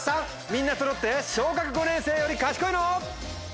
みんなそろって小学５年生より賢いの？